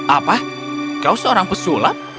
apa kau seorang pesulap